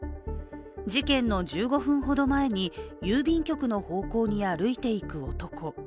事件の１５分ほど前に、郵便局の方向に歩いて行く男。